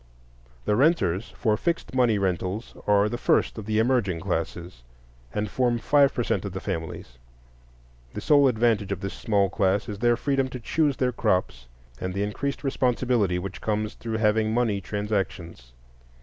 The renters for fixed money rentals are the first of the emerging classes, and form five per cent of the families. The sole advantage of this small class is their freedom to choose their crops, and the increased responsibility which comes through having money transactions.